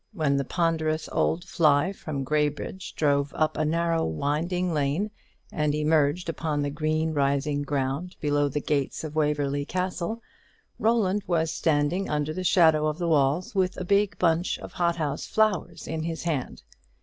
When the ponderous old fly from Graybridge drove up a narrow winding lane and emerged upon the green rising ground below the gates of Waverly Castle, Roland was standing under the shadow of the walls, with a big bunch of hothouse flowers in his hand.